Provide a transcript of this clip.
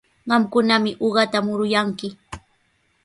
Qamkunami uqata muruyanki.